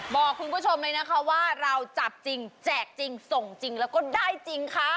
บอกคุณผู้ชมเลยนะคะว่าเราจับจริงแจกจริงส่งจริงแล้วก็ได้จริงค่ะ